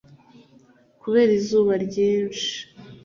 kubera izuba ryinshi